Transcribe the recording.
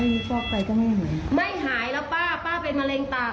คุณผู้ชมค่ะแล้วเดี๋ยวมาเล่ารายละเอียดเพิ่มให้ฟังค่ะ